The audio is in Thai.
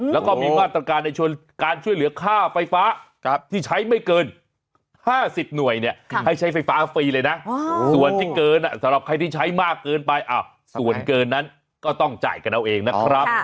แล้วก็มีมาตรการในการช่วยเหลือค่าไฟฟ้าที่ใช้ไม่เกิน๕๐หน่วยเนี่ยให้ใช้ไฟฟ้าฟรีเลยนะส่วนที่เกินสำหรับใครที่ใช้มากเกินไปส่วนเกินนั้นก็ต้องจ่ายกันเอาเองนะครับ